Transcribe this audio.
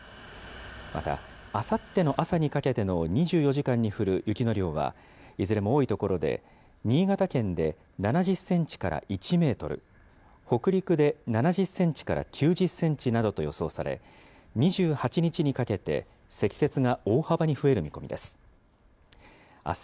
また、あさっての朝にかけての２４時間に降る雪の量はいずれも多い所で、新潟県で７０センチから１メートル、北陸で７０センチから９０センチなどと予想され、２８日にかけて積雪が大幅に増える見込みです。